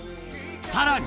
さらに。